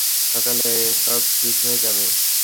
সকালে সব ঠিক হয়ে যাবে।